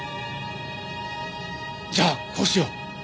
じゃあこうしよう。